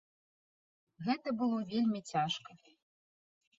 Гэта было вельмі цяжка.